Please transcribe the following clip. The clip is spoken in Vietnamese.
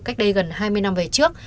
cách đây gần hai mươi năm về trước